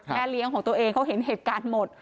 เลี้ยงของตัวเองเขาเห็นเหตุการณ์หมด